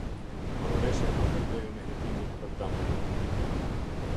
Marrëveshja për ndërprerjen e hetimit për damping.